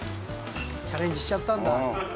チャレンジしちゃったんだ。